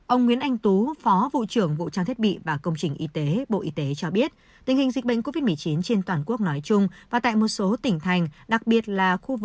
ông nguyễn anh tú phó vụ trưởng vụ trang thiết bị và công trình y tế bộ y tế cho biết tình hình dịch bệnh covid một mươi chín trên toàn quốc nói chung và tại một số tỉnh thành